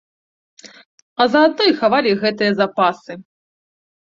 А заадно і хавалі гэтыя запасы.